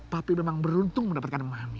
papi memang beruntung mendapatkan memahami